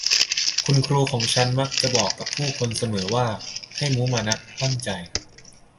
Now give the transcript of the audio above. คุณครูของฉันมักจะบอกกับผู้คนเสมอว่า ให้มุมานะตั้งใจ